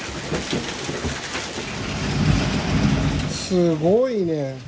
すごいね。